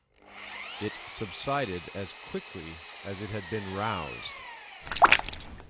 It subsided as quickly as it had been roused.